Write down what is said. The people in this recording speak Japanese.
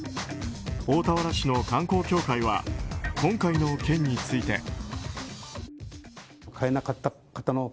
大田原市の観光協会は今回の件について。